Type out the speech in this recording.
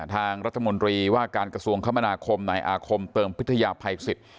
ทางรัฐมนตรีว่าการกระทรวงคมนาคมในอาคมเติมพิทยาภัยสิทธิ์